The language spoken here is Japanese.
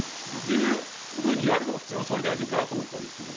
そうやるのが普通の総理大臣かなと思ったんですけど。